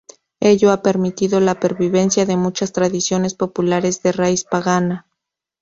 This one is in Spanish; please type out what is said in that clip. Ello ha permitido la pervivencia de muchas tradiciones populares de raíz pagana.